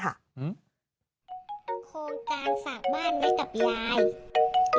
โครงการฝากบ้านไว้กับวาว